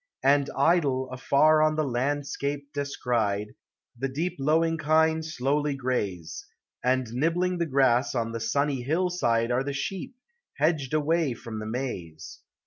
And idle, afar on the landscape descried, The deep lowing kine slowly graze, And nibbling the grass on the sunny hillside Are the sheep, hedged away from the maize.